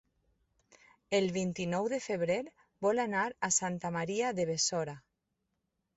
El vint-i-nou de febrer vol anar a Santa Maria de Besora.